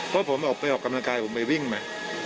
เพราะผมออกไปออกกำลังกายผมไปวิ่งมา